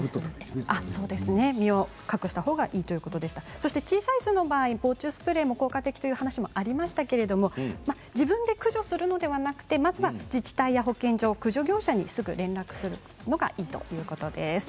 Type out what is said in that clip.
そして小さい巣の場合防虫スプレーも効果的という話もありましたが自分で駆除するのではなくてまずは自治体や保健所駆除業者にすぐ連絡するのがいいということです。